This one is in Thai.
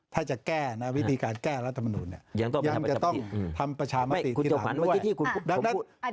ถ้าจะแก้วิธีการแก้รัฐมนุนยังจะต้องทำประชามาตรีที่หลังด้วย